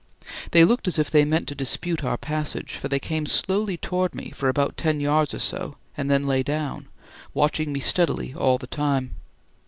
They looked as if they meant to dispute our passage, for they came slowly towards me for about ten yards or so and then lay down, watching me steadily all the time.